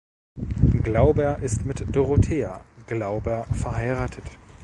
Glauber ist mit Dorothea Glauber verheiratet.